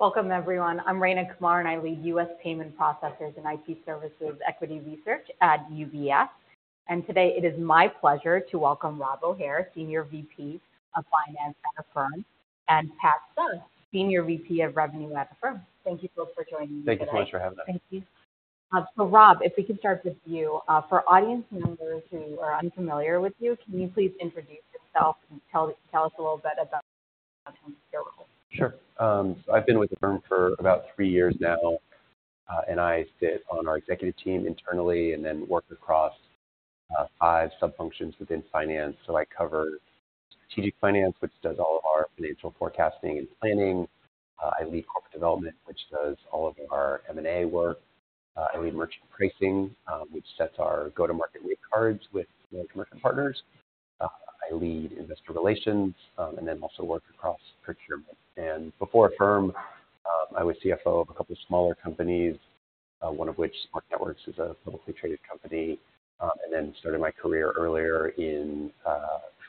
Welcome, everyone. I'm Rayna Kumar, and I lead U.S. Payment Processors and IT Services Equity Research at UBS. Today it is my pleasure to welcome Rob O'Hare, Senior VP of Finance at Affirm, and Pat Suh, Senior VP of Revenue at Affirm. Thank you both for joining me today. Thank you so much for having us. Thank you. So Rob, if we could start with you. For audience members who are unfamiliar with you, can you please introduce yourself and tell us a little bit about your role? Sure. I've been with Affirm for about three years now, and I sit on our executive team internally and then work across five sub-functions within finance. So I cover strategic finance, which does all of our financial forecasting and planning. I lead corporate development, which does all of our M&A work. I lead merchant pricing, which sets our go-to-market rate cards with merchant partners. I lead investor relations, and then also work across procurement. And before Affirm, I was CFO of a couple smaller companies, one of which, Spark Networks, is a publicly traded company. And then started my career earlier in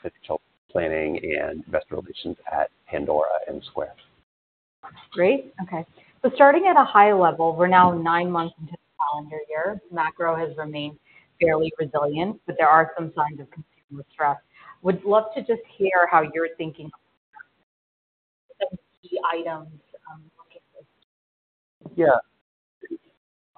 financial planning and investor relations at Pandora and Square. Great. Okay. So starting at a high level, we're now nine months into the calendar year. Macro has remained fairly resilient, but there are some signs of consumer stress. Would love to just hear how you're thinking—the items. Yeah.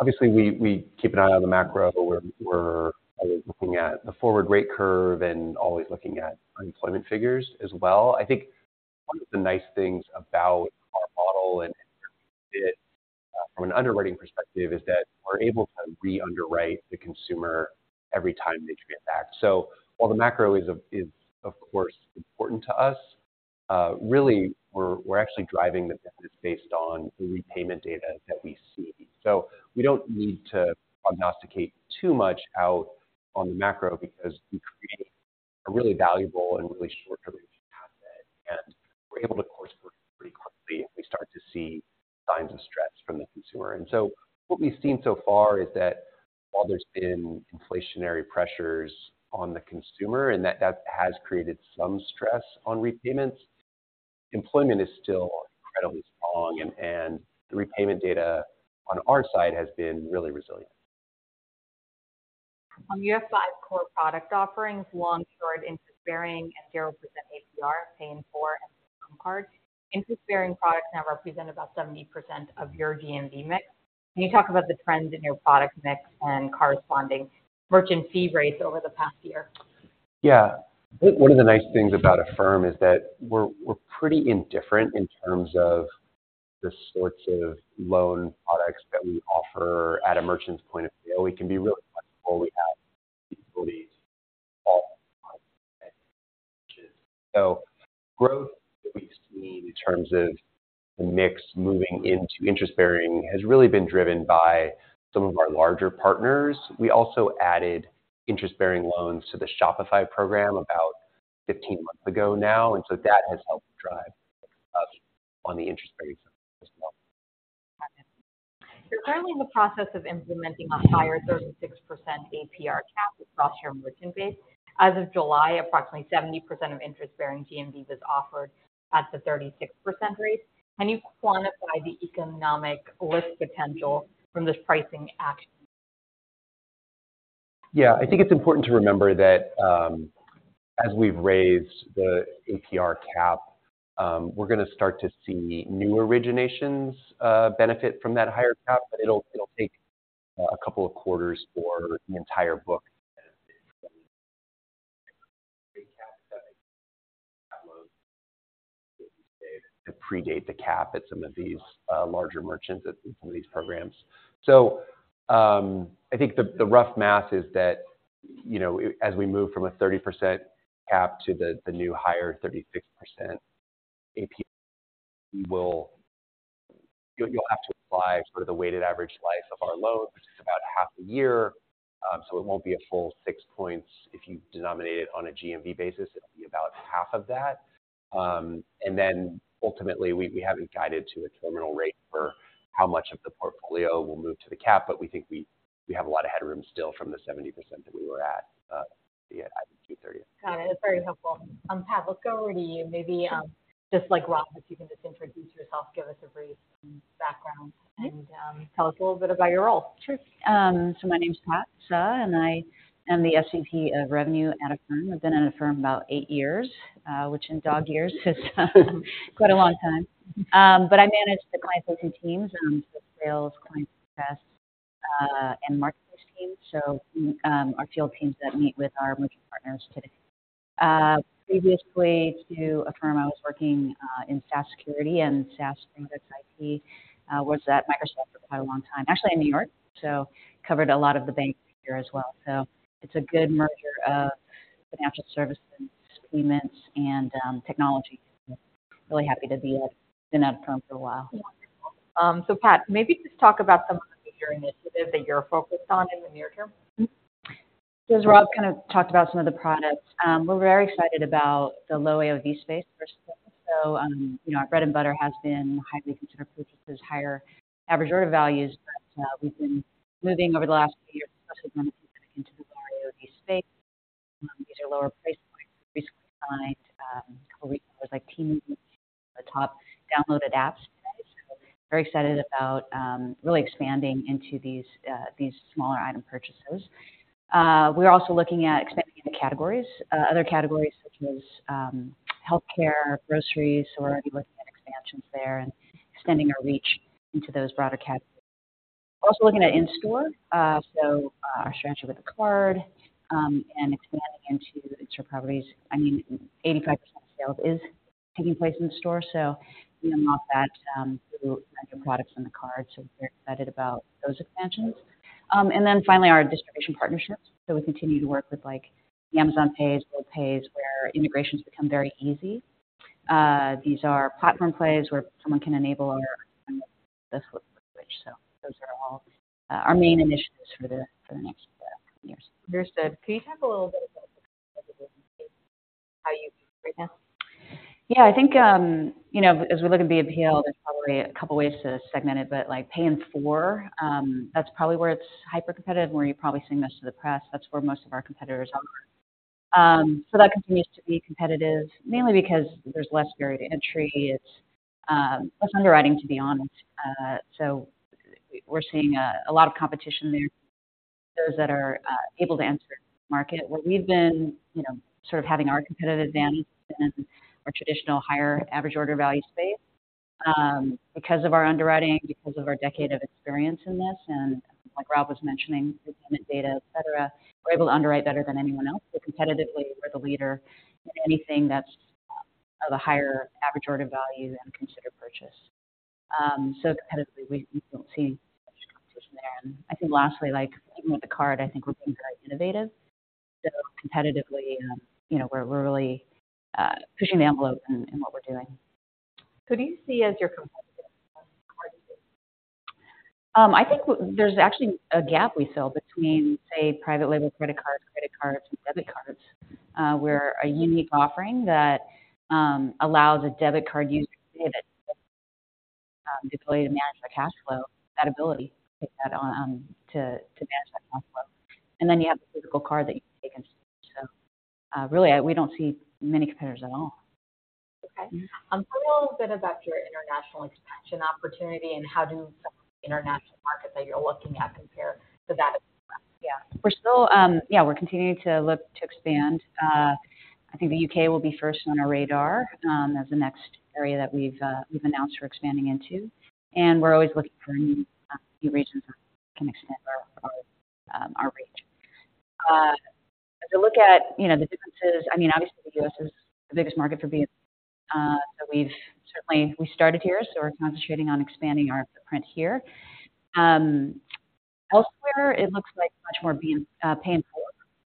Obviously, we keep an eye on the macro. We're always looking at the forward rate curve and always looking at unemployment figures as well. I think one of the nice things about our model and it from an underwriting perspective is that we're able to re-underwrite the consumer every time they get back. So while the macro is of course important to us, really, we're actually driving the business based on the repayment data that we see. So we don't need to prognosticate too much out on the macro because we create a really valuable and really short-term asset, and we're able to course correct pretty quickly if we start to see signs of stress from the consumer. And so what we've seen so far is that while there's been inflationary pressures on the consumer, and that has created some stress on repayments, employment is still incredibly strong and the repayment data on our side has been really resilient. You have five core product offerings, long, short, interest-bearing, and 0% APR, Pay in 4 and Affirm Card. Interest-bearing products now represent about 70% of your GMV mix. Can you talk about the trends in your product mix and corresponding merchant fee rates over the past year? Yeah. One of the nice things about Affirm is that we're, we're pretty indifferent in terms of the sorts of loan products that we offer at a merchant's point of view. We can be really flexible. We have the ability to... So growth that we've seen in terms of the mix moving into interest-bearing has really been driven by some of our larger partners. We also added interest-bearing loans to the Shopify program about 15 months ago now, and so that has helped drive up on the interest rates as well. You're currently in the process of implementing a higher 36% APR cap across your merchant base. As of July, approximately 70% of interest-bearing GMV is offered at the 36% rate. Can you quantify the economic lift potential from this pricing action? Yeah, I think it's important to remember that, as we've raised the APR cap, we're going to start to see new originations, benefit from that higher cap, but it'll take a couple of quarters for the entire book... to predate the cap at some of these, larger merchants at some of these programs. So, I think the rough math is that, you know, as we move from a 30% cap to the new higher 36% APR, we will-- you'll have to apply for the weighted average life of our loans, which is about half a year. So it won't be a full 6 points if you denominate it on a GMV basis, it'll be about half of that. And then ultimately, we haven't guided to a terminal rate for how much of the portfolio will move to the cap, but we think we have a lot of headroom still from the 70% that we were at, at Q3. Got it. That's very helpful. Pat, let's go over to you. Maybe, just like Rob, if you can just introduce yourself, give us a brief background and, tell us a little bit about your role. Sure. So my name is Pat Suh, and I am the SVP of Revenue at Affirm. I've been at Affirm about eight years, which in dog years is, quite a long time. But I manage the client-facing teams, the sales, client success, and marketing team. So, our field teams that meet with our merchant partners today. Previously to Affirm, I was working, in SaaS security and SaaS IP, was at Microsoft for quite a long time, actually in New York, so covered a lot of the banks here as well. So it's a good merger of financial services, payments, and, technology. Really happy to be at-- been at Affirm for a while. Wonderful. So Pat, maybe just talk about some of the major initiatives that you're focused on in the near term. So as Rob kind of talked about some of the products, we're very excited about the low AOV space. So, you know, our bread and butter has been highly considered purchases, higher average order values, but we've been moving over the last few years into the low AOV space. These are lower price points. A couple weeks, it was like the top downloaded apps. So very excited about really expanding into these smaller item purchases. We're also looking at expanding the categories, other categories such as healthcare, groceries. So we're already looking at expansions there and extending our reach into those broader categories. We're also looking at in-store, so our strategy with the card and expanding into its properties. I mean, 85% of sales is taking place in store, so we unlock that through products in the card. So we're excited about those expansions. And then finally, our distribution partnerships. So we continue to work with, like, the Amazon Pay, Worldpay, where integrations become very easy. These are platform plays where someone can enable our, so those are all our main initiatives for the next years. Understood. Can you talk a little bit about how you right now? Yeah, I think, you know, as we look at BNPL, there's probably a couple ways to segment it, but like, Pay in 4, that's probably where it's hyper-competitive, and where you're probably seeing most of the press. That's where most of our competitors are. So that continues to be competitive, mainly because there's less barrier to entry. It's less underwriting, to be honest. So we're seeing a lot of competition there that are able to enter the market. Where we've been, you know, sort of having our competitive advantage in our traditional higher average order value space. Because of our underwriting, because of our decade of experience in this, and like Rob was mentioning, the payment data, et cetera, we're able to underwrite better than anyone else. So competitively, we're the leader in anything that's of a higher average order value and considered purchase. So competitively, we don't see much competition there. And I think lastly, like with the card, I think we're being quite innovative. So competitively, you know, we're really pushing the envelope in what we're doing. Who do you see as your competitors? I think there's actually a gap we fill between, say, private label credit cards, credit cards, and debit cards. We're a unique offering that allows a debit card user to have the ability to manage their cash flow, that ability to take that on, to manage that cash flow. And then you have the physical card that you can use. So, really, we don't see many competitors at all. Okay. Tell me a little bit about your international expansion opportunity and how do international markets that you're looking at compare to that? Yeah. We're still, yeah, we're continuing to look to expand. I think the U.K. will be first on our radar, as the next area that we've announced we're expanding into. And we're always looking for new, new regions that can expand our reach. As we look at, you know, the differences, I mean, obviously, the U.S. is the biggest market for BNPL. So we've certainly started here, so we're concentrating on expanding our footprint here. Elsewhere, it looks like much more Pay in 4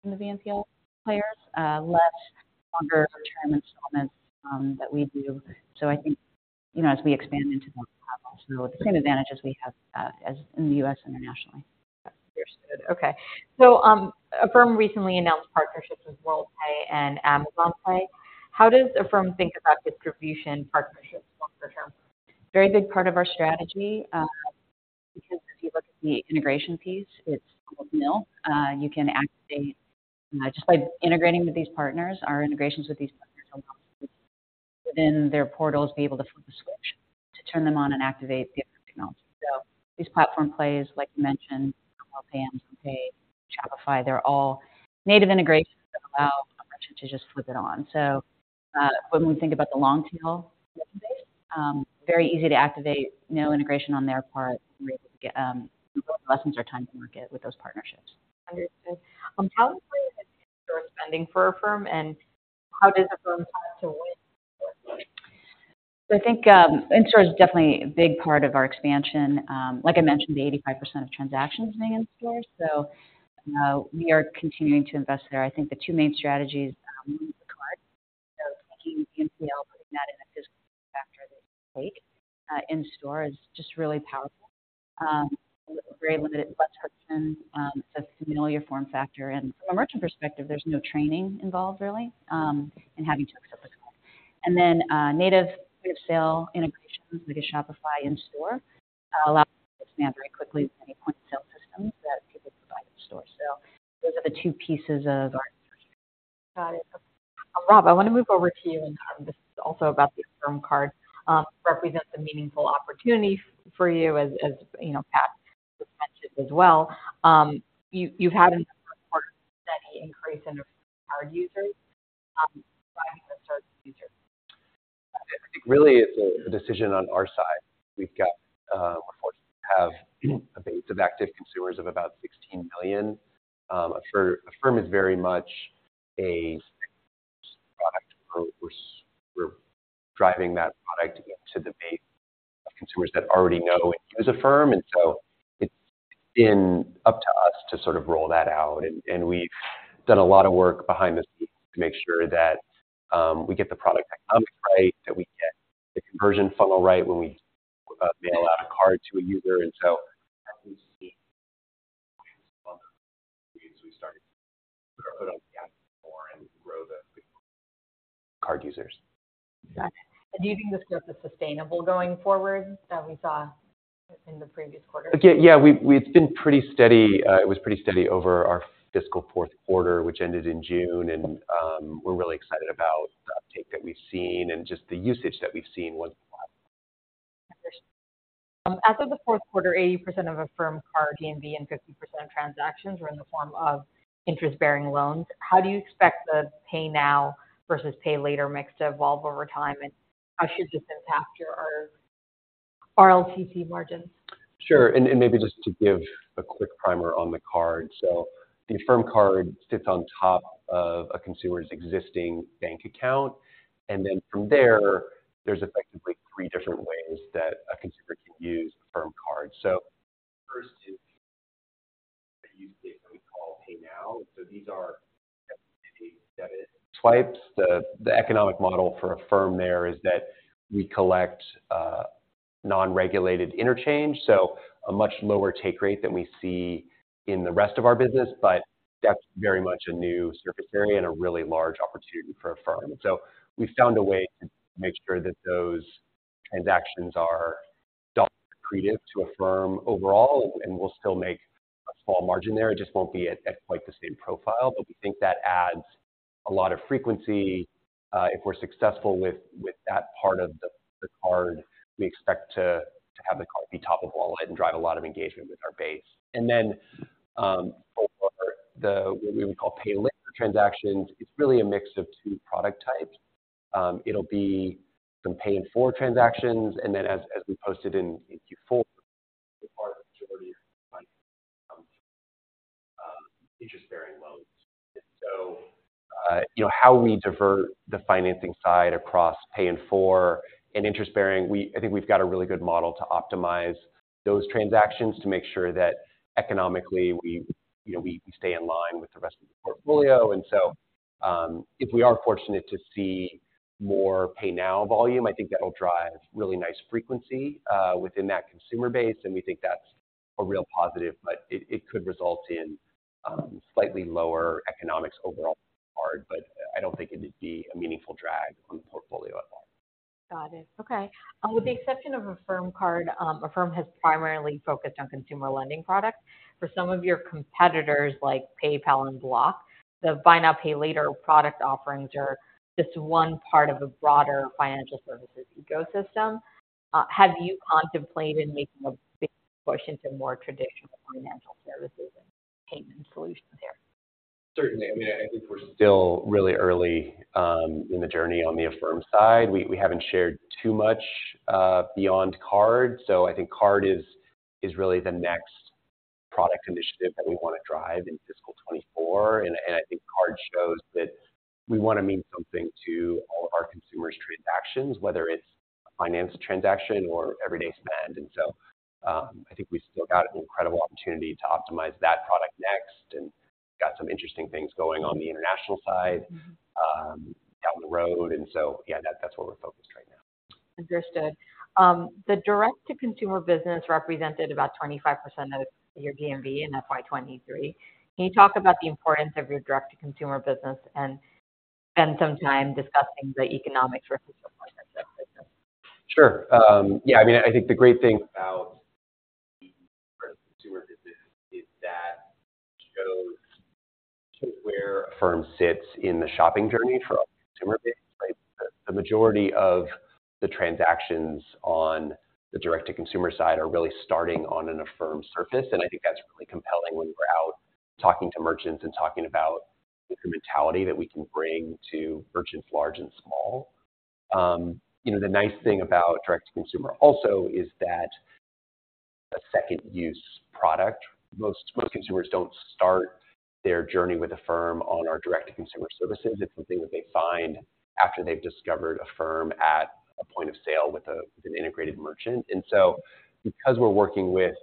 from the BNPL players, less longer-term installments that we do. So I think, you know, as we expand into those markets, we'll have the same advantages we have as in the U.S. internationally. Understood. Okay. So, Affirm recently announced partnerships with Worldpay and Amazon Pay. How does Affirm think about distribution partnerships long term? Very big part of our strategy, because if you look at the integration piece, it's minimal. You can activate just by integrating with these partners. Our integrations with these partners within their portals, be able to flip a switch to turn them on and activate the Affirm technology. So these platform plays, like you mentioned, Worldpay, Amazon Pay, Shopify, they're all native integrations that allow a merchant to just flip it on. So, when we think about the long tail, very easy to activate, no integration on their part, lessens our time to market with those partnerships. Understood. Tell us why you are spending for Affirm, and how does Affirm plan to win? I think, in-store is definitely a big part of our expansion. Like I mentioned, 85% of transactions are made in store, so, we are continuing to invest there. I think the two main strategies are taking BNPL, putting that in a physical factor they take in store is just really powerful. Very limited touch option, it's a familiar form factor, and from a merchant perspective, there's no training involved really in having to accept the card. And then, native point-of-sale integrations, like a Shopify in store, allows us to expand very quickly to any point of sale systems that people provide in store. So those are the two pieces of our- Got it. Rob, I want to move over to you, and this is also about the Affirm Card. Represents a meaningful opportunity for you as, as you know, Pat mentioned as well. You, you've had an increase in our users. Why have you started users? It really is a decision on our side. We've got, we're fortunate to have a base of active consumers of about 16 million. Affirm is very much a product. We're driving that product into the base of consumers that already know it as Affirm, and so it's been up to us to sort of roll that out, and we've done a lot of work behind the scenes to make sure that we get the product economics right, that we get the conversion funnel right when we mail out a card to a user. And so as we see... So we started to put on the-... card users. Got it. Do you think this growth is sustainable going forward, that we saw in the previous quarter? Yeah, yeah, we've been pretty steady. It was pretty steady over our fiscal fourth quarter, which ended in June, and we're really excited about the uptake that we've seen and just the usage that we've seen with the product. Understood. As of the fourth quarter, 80% of Affirm Card GMV and 50% of transactions were in the form of interest-bearing loans. How do you expect the pay now versus pay later mix to evolve over time, and how should this impact your RLTC margins? Sure, and maybe just to give a quick primer on the card. So the Affirm Card sits on top of a consumer's existing bank account, and then from there, there's effectively three different ways that a consumer can use the Affirm Card. So the first is a use case that we call pay now. So these are a debit swipes. The economic model for Affirm there is that we collect non-regulated interchange, so a much lower take rate than we see in the rest of our business, but that's very much a new surface area and a really large opportunity for Affirm. So we found a way to make sure that those transactions are still accretive to Affirm overall, and we'll still make a small margin there. It just won't be at quite the same profile, but we think that adds a lot of frequency. If we're successful with that part of the card, we expect to have the card be top of wallet and drive a lot of engagement with our base. And then, for the... what we would call pay later transactions, it's really a mix of two product types. It'll be some Pay in 4 transactions, and then as we posted in Q4, the majority of interest-bearing loans. So, you know, how we divert the financing side across Pay in 4 and interest-bearing, I think we've got a really good model to optimize those transactions, to make sure that economically we, you know, we stay in line with the rest of the portfolio. And so, if we are fortunate to see more pay now volume, I think that'll drive really nice frequency, within that consumer base, and we think that's a real positive, but it, it could result in, slightly lower economics overall for the card. But I don't think it'd be a meaningful drag on the portfolio at all. Got it. Okay. With the exception of Affirm Card, Affirm has primarily focused on consumer lending products. For some of your competitors, like PayPal and Block, the buy now, pay later product offerings are just one part of a broader financial services ecosystem. Have you contemplated making a big push into more traditional financial services and payment solutions there? Certainly. I mean, I think we're still really early in the journey on the Affirm side. We haven't shared too much beyond card. So I think card is really the next product initiative that we want to drive in fiscal 2024. And I think card shows that we want to mean something to all our consumers' transactions, whether it's a finance transaction or everyday spend. And so, I think we've still got an incredible opportunity to optimize that product next, and we've got some interesting things going on the international side down the road. And so, yeah, that's what we're focused on right now. Understood. The direct-to-consumer business represented about 25% of your GMV in FY 2023. Can you talk about the importance of your direct-to-consumer business and spend some time discussing the economics for this business? Sure. Yeah, I mean, I think the great thing about the consumer business is that it shows where Affirm sits in the shopping journey for our consumer base. Like, the majority of the transactions on the direct-to-consumer side are really starting on an Affirm surface, and I think that's really compelling when we're out talking to merchants and talking about the mentality that we can bring to merchants large and small. You know, the nice thing about direct-to-consumer also is that a second-use product. Most, most consumers don't start their journey with Affirm on our direct-to-consumer services. It's something that they find after they've discovered Affirm at a point of sale with an integrated merchant. And so because we're working with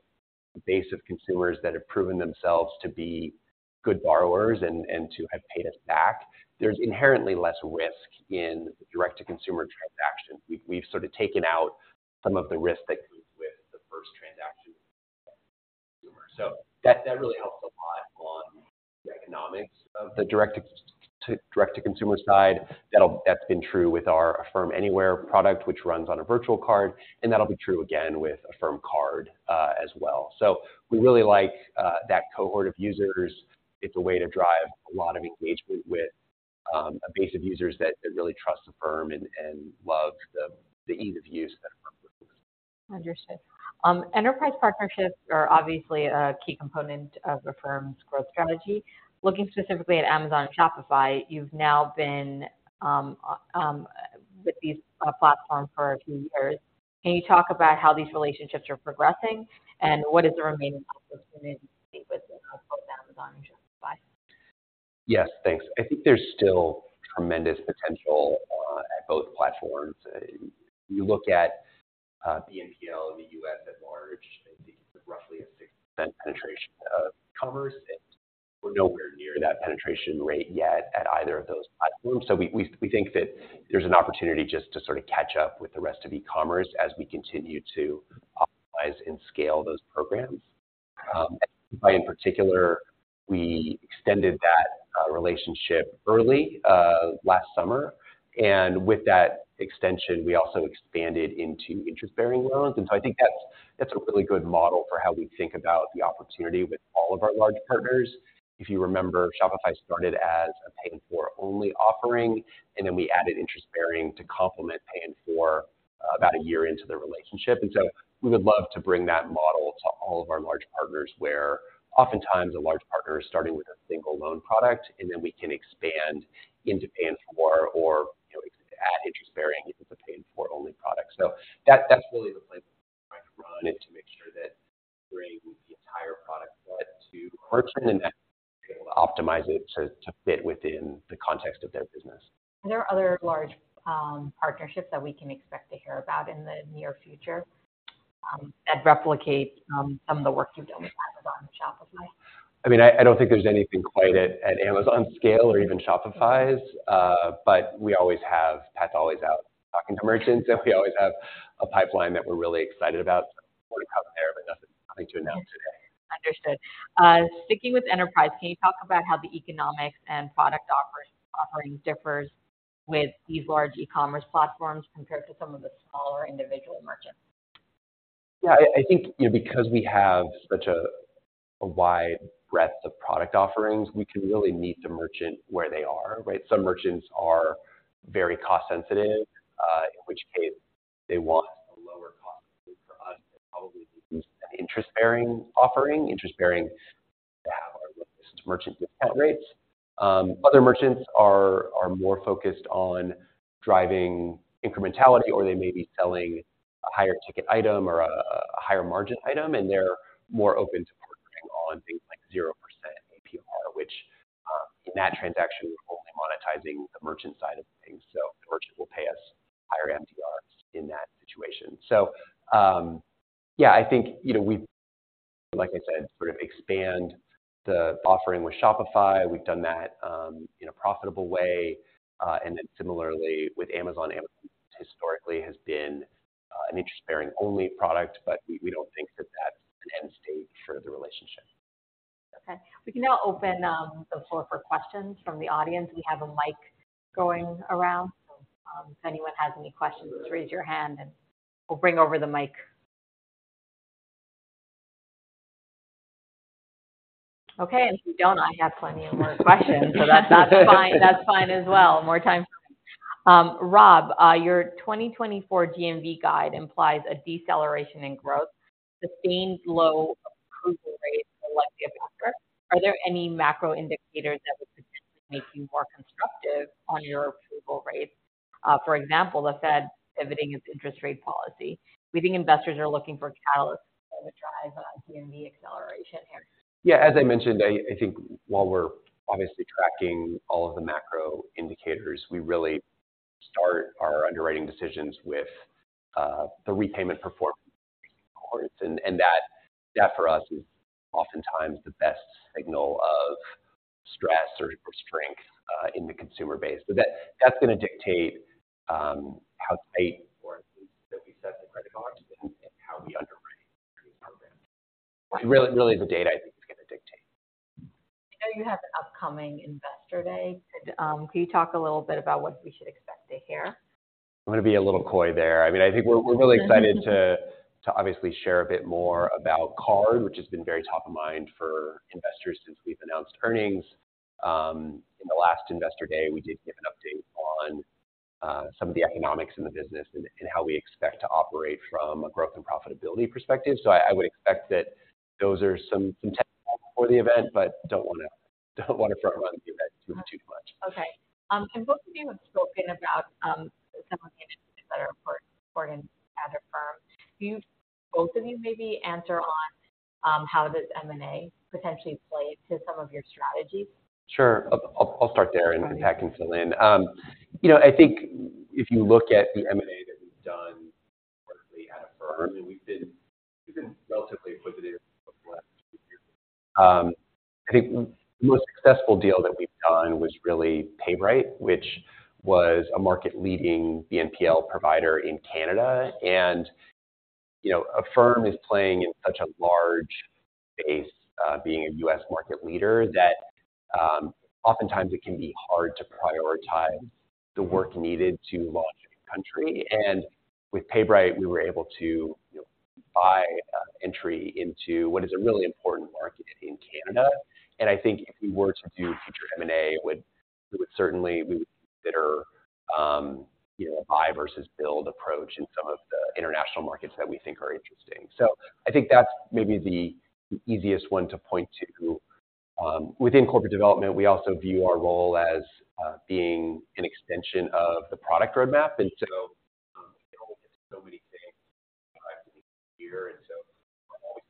a base of consumers that have proven themselves to be good borrowers and, and to have paid us back, there's inherently less risk in direct-to-consumer transactions. We've, we've sort of taken out some of the risk that comes with the first transaction with a consumer. So that, that really helps a lot on the economics of the direct-to-consumer side. That's been true with our Affirm Anywhere product, which runs on a virtual card, and that'll be true again with Affirm Card as well. So we really like that cohort of users. It's a way to drive a lot of engagement with a base of users that, that really trust Affirm and, and love the, the ease of use that Affirm brings. Understood. Enterprise partnerships are obviously a key component of Affirm's growth strategy. Looking specifically at Amazon and Shopify, you've now been with these platforms for a few years. Can you talk about how these relationships are progressing, and what is the remaining opportunity with both Amazon and Shopify? Yes, thanks. I think there's still tremendous potential on both platforms. You look at BNPL in the U.S. at large, I think it's roughly a 60% penetration of e-commerce, and we're nowhere near that penetration rate yet at either of those platforms. So we think that there's an opportunity just to sort of catch up with the rest of e-commerce as we continue to optimize and scale those programs. In particular, we extended that relationship early last summer, and with that extension, we also expanded into interest-bearing loans. And so I think that's a really good model for how we think about the opportunity with all of our large partners. If you remember, Shopify started as a Pay in 4 only offering, and then we added interest-bearing to complement Pay in 4 about a year into the relationship. And so we would love to bring that model to all of our large partners, where oftentimes a large partner is starting with a single loan product, and then we can expand into Pay in 4 or, you know, add interest-bearing into the Pay in 4 only product. So that's really the plan to run and to make sure that bring the entire product to merchants and able to optimize it to, to fit within the context of their business. Are there other large, partnerships that we can expect to hear about in the near future, that replicate, some of the work you've done with Amazon and Shopify? I mean, I don't think there's anything quite at Amazon's scale or even Shopify's. But we always have—Pat's always out talking to merchants, and we always have a pipeline that we're really excited about there, but nothing to announce today. Understood. Sticking with enterprise, can you talk about how the economics and product offering differs with these large e-commerce platforms, compared to some of the smaller individual merchants? Yeah, I think, you know, because we have such a wide breadth of product offerings, we can really meet the merchant where they are, right? Some merchants are very cost sensitive, in which case they want a lower cost. For us, it probably an interest-bearing offering, interest-bearing merchant discount rates. Other merchants are more focused on driving incrementality, or they may be selling a higher ticket item or a higher margin item, and they're more open to partnering on things like 0% APR, which, in that transaction, we're only monetizing the merchant side of things, so the merchant will pay us higher MDRs in that situation. So, yeah, I think, you know, we've, like I said, sort of expand the offering with Shopify. We've done that, in a profitable way. And then similarly with Amazon, Amazon historically has been an interest-bearing only product, but we don't think that that's an end state for the relationship. Okay. We can now open the floor for questions from the audience. We have a mic going around, so if anyone has any questions, just raise your hand, and we'll bring over the mic. Okay, and if you don't, I have plenty of more questions, so that's, that's fine. That's fine as well. More time. Rob, your 2024 GMV guide implies a deceleration in growth. Sustained low approval rates are likely a factor. Are there any macro indicators that would potentially make you more constructive on your approval rates? For example, the Fed pivoting its interest rate policy. We think investors are looking for catalysts that would drive GMV acceleration here. Yeah, as I mentioned, I think while we're obviously tracking all of the macro indicators, we really start our underwriting decisions with the repayment performance. And that for us is oftentimes the best signal of stress or strength in the consumer base. But that's going to dictate how tight or that we set the credit boxes and how we underwrite program. Really, the data, I think, is going to dictate. I know you have an upcoming Investor Day. Can you talk a little bit about what we should expect to hear? I'm going to be a little coy there. I mean, I think we're really excited to obviously share a bit more about Card, which has been very top of mind for investors since we've announced earnings. In the last Investor Day, we did give an update on some of the economics in the business and how we expect to operate from a growth and profitability perspective. So I would expect that those are some technical for the event, but don't want to front run the event too much. Okay. And both of you have spoken about some of the things that are important at Affirm. Do both of you maybe answer on how this M&A potentially plays to some of your strategies? Sure. I'll start there, and Pat can fill in. You know, I think if you look at the M&A that we've done at Affirm, and we've been relatively acquisitive over the last two years. I think the most successful deal that we've done was really PayBright, which was a market-leading BNPL provider in Canada, and, you know, Affirm is playing in such a large space, being a U.S. market leader, that, oftentimes it can be hard to prioritize the work needed to launch a new country. And with PayBright, we were able to, you know, buy entry into what is a really important market in Canada. And I think if we were to do future M&A, we would certainly consider, you know, a buy versus build approach in some of the international markets that we think are interesting. So I think that's maybe the easiest one to point to. Within corporate development, we also view our role as being an extension of the product roadmap. And so, so many things here, and so we're always...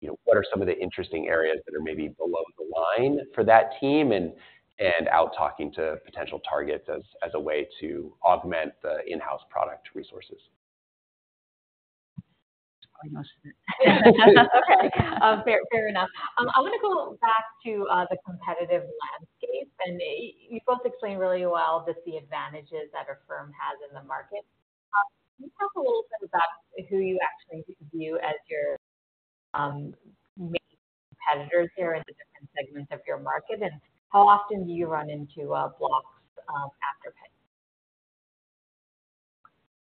You know, what are some of the interesting areas that are maybe below the line for that team and out talking to potential targets as a way to augment the in-house product resources. Okay, fair, fair enough. I want to go back to the competitive lens.... and you both explained really well just the advantages that our firm has in the market. Can you talk a little bit about who you actually view as your main competitors here in the different segments of your market, and how often do you run into Block's Afterpay?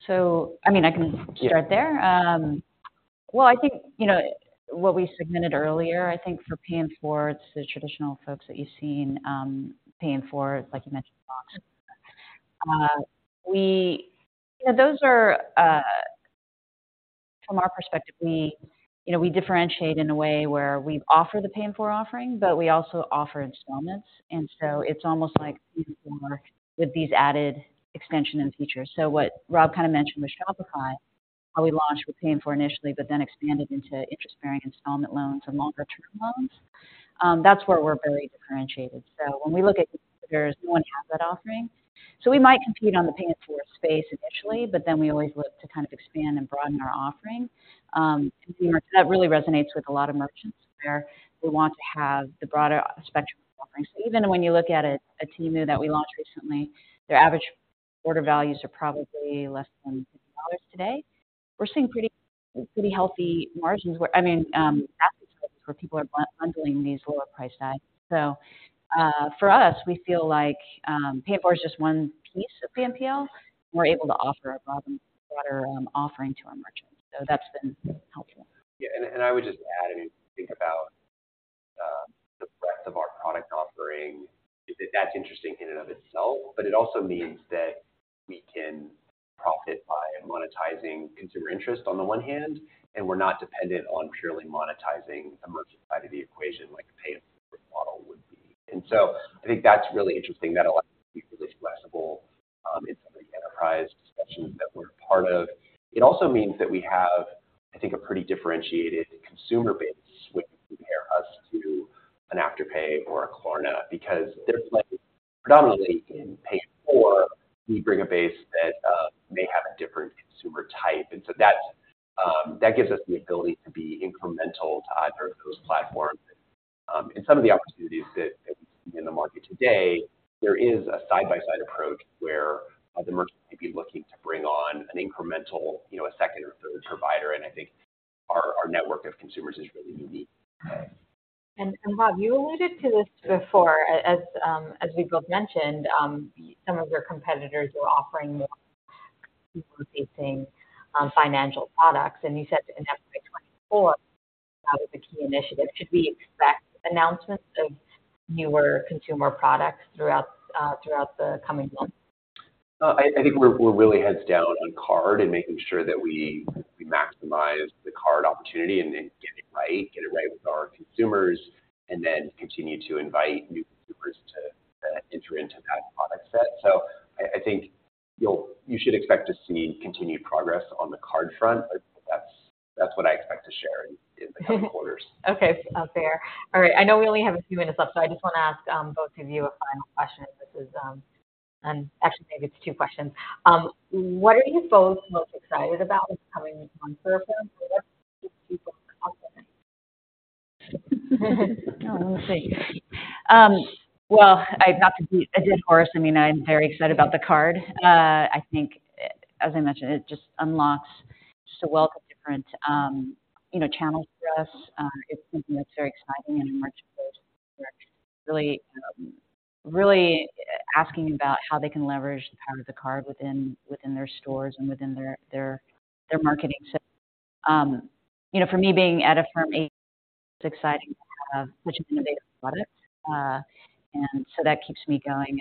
So, I mean, I can start there. Well, I think, you know, what we submitted earlier, I think for Pay in 4, it's the traditional folks that you've seen, Pay in 4, like you mentioned. Yeah, those are, from our perspective, we, you know, we differentiate in a way where we offer the Pay in 4 offering, but we also offer installments. And so it's almost like we work with these added extension and features. So what Rob kind of mentioned with Shopify, how we launched with Pay in 4 initially, but then expanded into interest-bearing installment loans and longer-term loans, that's where we're very differentiated. So when we look at competitors, no one has that offering. So we might compete on the Pay in 4 space initially, but then we always look to kind of expand and broaden our offering. That really resonates with a lot of merchants where we want to have the broader spectrum of offerings. Even when you look at a Temu that we launched recently, their average order values are probably less than $50 today. We're seeing pretty, pretty healthy margins where, I mean, where people are bundling these lower price tags. So, for us, we feel like Pay in 4 is just one piece of BNPL. We're able to offer a broader, broader offering to our merchants. So that's been helpful. Yeah, and I would just add, I mean, think about the breadth of our product offering. That's interesting in and of itself, but it also means that we can profit by monetizing consumer interest on the one hand, and we're not dependent on purely monetizing the merchant side of the equation, like a Pay in 4 model would be. And so I think that's really interesting. That allows us to be really flexible in some of the enterprise discussions that we're part of. It also means that we have, I think, a pretty differentiated consumer base when you compare us to an Afterpay or a Klarna, because they're playing predominantly in Pay in 4, we bring a base that may have a different consumer type. And so that gives us the ability to be incremental to either of those platforms. And some of the opportunities that we see in the market today, there is a side-by-side approach where the merchant may be looking to bring on an incremental, you know, a second or third provider, and I think our network of consumers is really unique. Rob, you alluded to this before. As we both mentioned, some of your competitors are offering consumer-facing financial products, and you said in FY 2024, that was a key initiative. Should we expect announcements of newer consumer products throughout the coming months? I think we're really heads down on card and making sure that we maximize the card opportunity and then get it right with our consumers, and then continue to invite new consumers to enter into that product set. So I think you should expect to see continued progress on the card front. That's what I expect to share in the coming quarters. Okay, fair. All right. I know we only have a few minutes left, so I just want to ask both of you a final question. This is, and actually, maybe it's two questions. What are you both most excited about coming on to the phone? Oh, let's see. Well, I, not to beat a dead horse, I mean, I'm very excited about the card. I think, as I mentioned, it just unlocks just a wealth of different, you know, channels for us. It's something that's very exciting, and merchants are really, really asking about how they can leverage the power of the card within, within their stores and within their, their, their marketing. So, you know, for me, being at Affirm, it's exciting, which is innovative product. And so that keeps me going,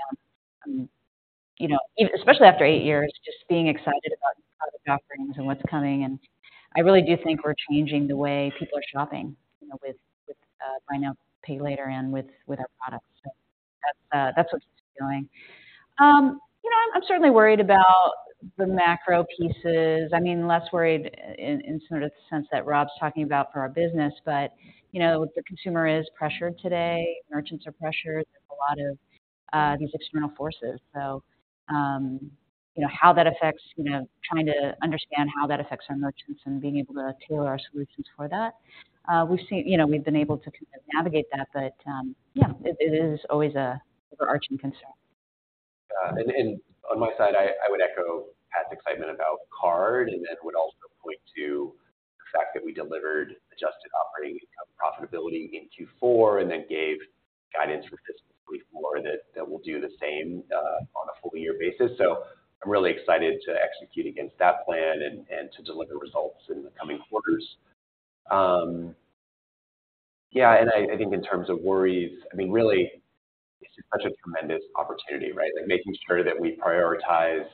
you know, especially after eight years, just being excited about the offerings and what's coming, and I really do think we're changing the way people are shopping, you know, with, with, buy now, pay later and with, with our products. So, that's what keeps me going. You know, I'm certainly worried about the macro pieces. I mean, less worried in sort of the sense that Rob's talking about for our business, but, you know, the consumer is pressured today, merchants are pressured, there's a lot of these external forces. So, you know, how that affects, you know, trying to understand how that affects our merchants and being able to tailor our solutions for that. We've seen, you know, we've been able to navigate that, but, yeah, it is always an overarching concern. On my side, I would echo Pat's excitement about card and then would also point to the fact that we delivered adjusted operating profitability in Q4 and then gave guidance for fiscal 2024 that we'll do the same on a full year basis. So I'm really excited to execute against that plan and to deliver results in the coming quarters. Yeah, and I think in terms of worries, I mean, really, it's such a tremendous opportunity, right? Like making sure that we prioritize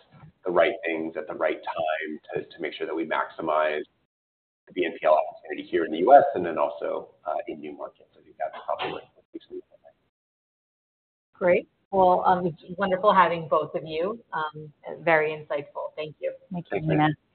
the right things at the right time to make sure that we maximize the BNPL opportunity here in the U.S. and then also in new markets. I think that's probably what keeps me going. Great. Well, it's wonderful having both of you. Very insightful. Thank you. Thank you. Thank you.